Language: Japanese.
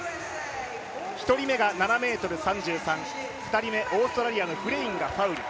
１人目が７ｍ３３、２人目、オーストラリアのフレインがファウル。